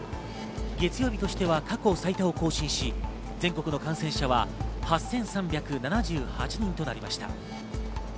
月曜日としては過去最多を更新し、全国の感染者は８３７８人となりました。